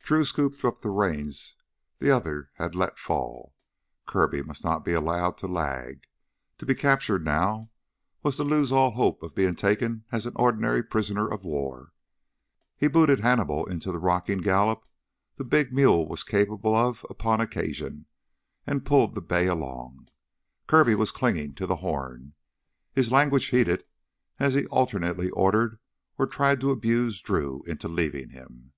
Drew scooped up the reins the other had let fall. Kirby must not be allowed to lag. To be captured now was to lose all hope of being taken as an ordinary prisoner of war. He booted Hannibal into the rocking gallop the big mule was capable of upon occasion, and pulled the bay along. Kirby was clinging to the horn, his language heated as he alternately ordered or tried to abuse Drew into leaving him.